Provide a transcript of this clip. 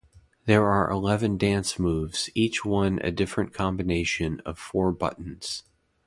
There are eleven dance moves, each one a different combination of four buttons.